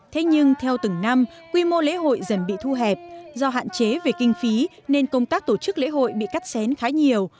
thế nhưng theo từng năm quy mô lễ hội dần bị thu hẹp do hạn chế về kinh phí nên công tác tổ chức lễ hội bị cắt xén khá nhiều